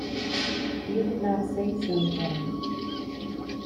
You did not say so then.